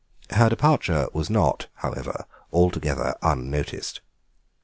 Her departure was not, however, altogether unnoticed.